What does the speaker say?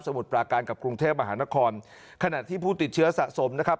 มุดปราการกับกรุงเทพมหานครขณะที่ผู้ติดเชื้อสะสมนะครับ